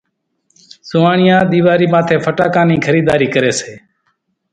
زوئاڻيا ۮيواري ماٿي ڦٽاڪان نِي خريڌاري ڪري سي ،